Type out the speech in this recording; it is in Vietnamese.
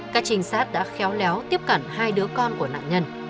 các trinh sát đã khéo léo tiếp cận hai đứa con của nạn nhân